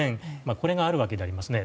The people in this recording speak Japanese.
これがあるわけでありますね。